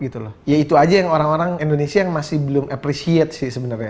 itu saja yang orang orang indonesia yang masih belum mengapresiasikan sebenarnya